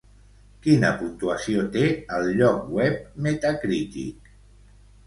Quina puntuació té al lloc web Metacritic?